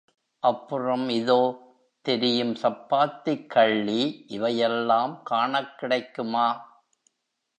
அப்புறம் இதோ, தெரியும் சப்பாத்திக் கள்ளி இவையெல்லாம் காணக்கிடைக்குமா?